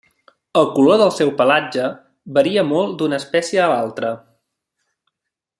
El color del seu pelatge varia molt d'una espècie a l'altra.